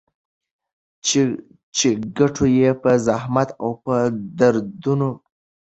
چي ګټو يې په زحمت او په دردونو